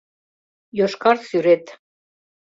Йошкар сӱрет